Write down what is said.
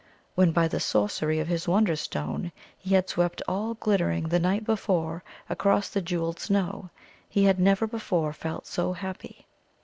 When, by the sorcery of his Wonderstone, he had swept all glittering the night before across the jewelled snow, he had never before felt so happy.